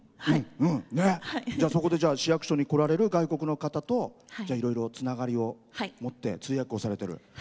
そこで、市役所に来られる外国の方といろいろつながりを持って通訳をされてる。